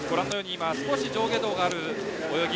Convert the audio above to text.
少し上下動がある泳ぎ。